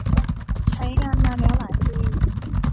ใช้งานมาแล้วหลายปี